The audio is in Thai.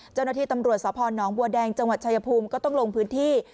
เจ้าหน้าที่ตำรวจสพนบัวแดงจังหวัดชายภูมิก็ต้องลงพื้นที่